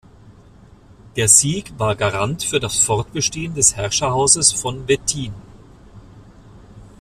Der Sieg war Garant für das Fortbestehen des Herrscherhauses von Wettin.